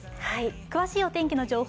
詳しいお天気の情報